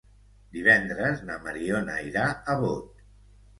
Divendres na Mariona irà a Bot.